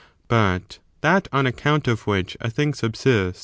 But that on account of which a thing subsists, fined M?